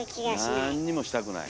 なんにもしたくない。